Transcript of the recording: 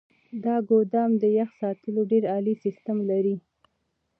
دا ګودام د يخ ساتلو ډیر عالي سیستم لري.